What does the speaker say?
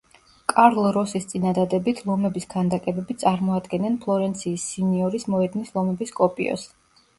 კარლ როსის წინადადებით ლომების ქანდაკებები წარმოადგენენ ფლორენციის სინიორის მოედნის ლომების კოპიოს.